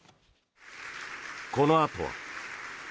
このあとは。